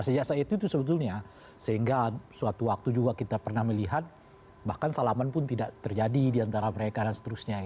sejak saat itu sebetulnya sehingga suatu waktu juga kita pernah melihat bahkan salaman pun tidak terjadi di antara mereka dan seterusnya